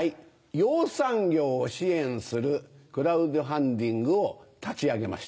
養蚕業を支援するクラウドファンディングを立ち上げました。